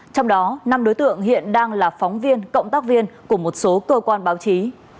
trong đó năm đối tượng hiện đang là phóng viên cộng tác viên của một số cơ quan báo chí